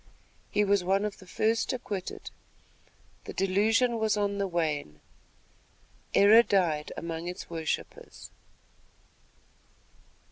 He was one of the first acquitted. The delusion was on the wane. "Error died among its worshippers."